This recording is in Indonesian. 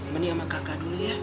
meni sama kakak dulu ya